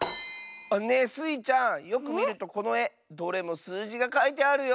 ねえスイちゃんよくみるとこのえどれもすうじがかいてあるよ！